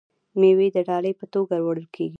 میوې د ډالۍ په توګه وړل کیږي.